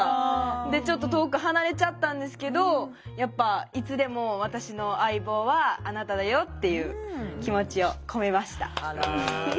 でちょっと遠く離れちゃったんですけどやっぱいつでも私の相棒はあなただよっていう気持ちを込めました。